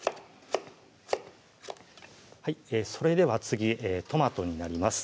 それでは次トマトになります